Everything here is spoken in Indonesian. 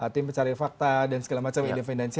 tim pencari fakta dan segala macam independensi